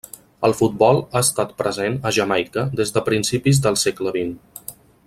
El futbol ha estat present a Jamaica des de principis del segle vint.